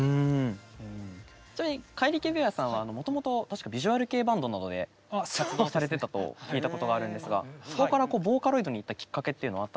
ちなみにかいりきベアさんはもともと確かビジュアル系バンドなどで活躍されてたと聞いたことがあるんですがそこからボーカロイドに行ったきっかけっていうのはあったんですか？